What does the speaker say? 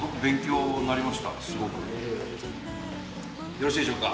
よろしいでしょうか？